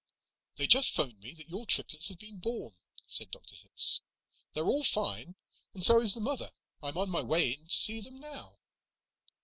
"They just phoned me that your triplets have been born," said Dr. Hitz. "They're all fine, and so is the mother. I'm on my way in to see them now."